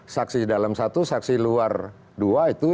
saksi dalam satu saksi luar dua itu